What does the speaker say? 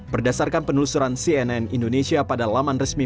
berdasarkan penelusuran cnn indonesia pada laman resmi